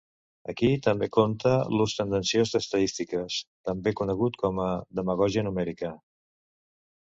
Aquí també compta l'ús tendenciós d'estadístiques, també conegut com a demagògia numèrica.